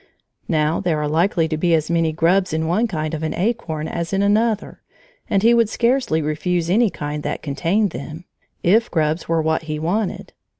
Now there are likely to be as many grubs in one kind of an acorn as in another, and he would scarcely refuse any kind that contained them, if grubs were what he wanted.